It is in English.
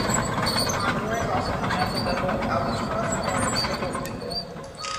A condor is also known as a double albatross, or a triple eagle.